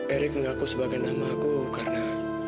erick mengaku sebagai nama aku karena